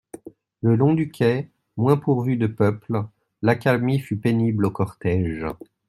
Le long du quai moins pourvu de peuple, l'accalmie fut pénible au cortège.